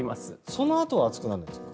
そのあとは暑くなるんですか？